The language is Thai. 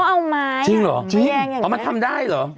เขาเอาไม้อย่างนี้มันทำได้เหรอ